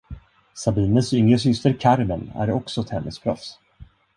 Sabines yngre syster, Carmen, är också tennisproffs.